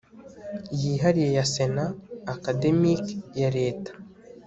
yihariye ya sena akademiki ya reta